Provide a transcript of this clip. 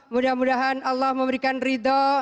mudah mudahan allah memberikan ridho